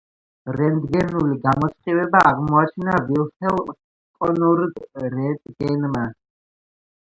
რენტგენული გამოსხივება აღმოაჩინა ვილჰელმ კონრად რენტგენმა.